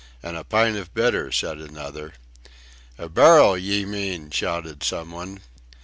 and a pint of bitter," said another. "A barrel ye mean," shouted someone.